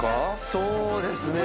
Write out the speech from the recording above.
そうですね。